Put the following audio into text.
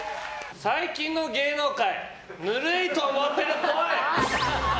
最近の芸能界ヌルいと思ってるっぽい。